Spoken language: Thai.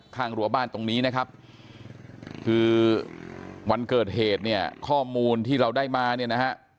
รั้วบ้านตรงนี้นะครับคือวันเกิดเหตุเนี่ยข้อมูลที่เราได้มาเนี่ยนะฮะ